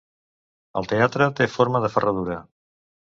El teatre té forma de ferradura.